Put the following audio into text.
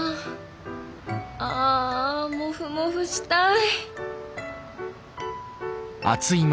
ああモフモフしたい。